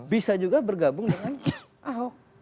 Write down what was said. bisa juga bergabung dengan ahok